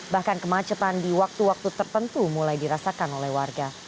bahkan kemacetan di waktu waktu tertentu mulai dirasakan oleh warga